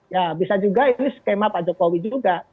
ya bisa juga ini skema pak jokowi juga